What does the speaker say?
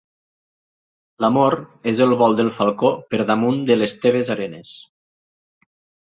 L'amor és el vol del falcó per damunt de les teves arenes.